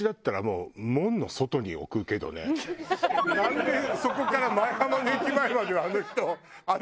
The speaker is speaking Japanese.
なんでそこから舞浜の駅前まではあの人歩くんだろうって。